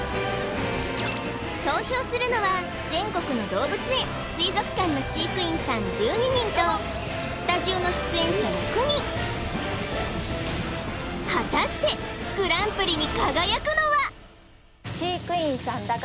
投票するのは全国の動物園水族館の飼育員さん１２人とスタジオの出演者６人果たしてグランプリに輝くのは？